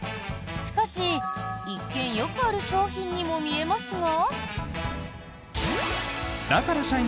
しかし、一見よくある商品にも見えますが。